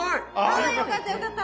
あよかったよかった。